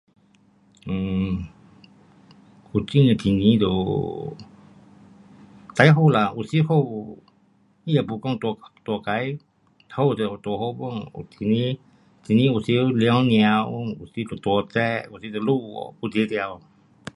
um 古晋的天气就最好啦，有时好，他也没讲多，多坏，好有多好 pun 有时天气又时凉凉，有时就多热，有时就有雨。有时得